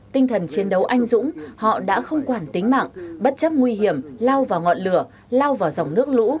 tinh thần chiến đấu anh dũng họ đã không quản tính mạng bất chấp nguy hiểm lao vào ngọn lửa lao vào dòng nước lũ